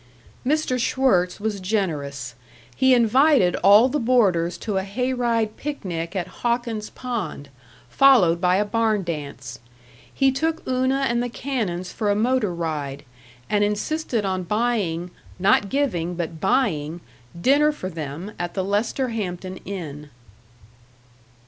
§ 5 Mr. Schwirtz was generous; he invited all the boarders to a hay ride picnic at Hawkins's Pond, followed by a barn dance. He took Una and the Cannons for a motor ride, and insisted on buying not giving, but buying dinner for them, at the Lesterhampton Inn.